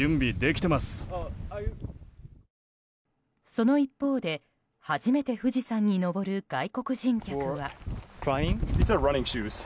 その一方で初めて富士山に登る外国人客は。